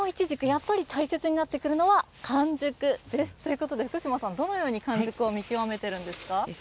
やっぱり大切になってくるのは完熟です。ということで福嶋さんどのように完熟を見極めているんですか。